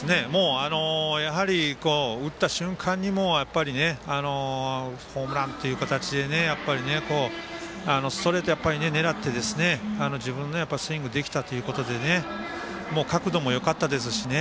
やはり打った瞬間にもホームランっていう形でストレート狙って自分のスイングできたということで角度もよかったですしね